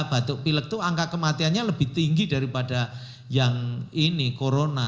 batuk pilek itu angka kematiannya lebih tinggi daripada yang ini corona